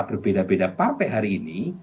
berbeda beda partai hari ini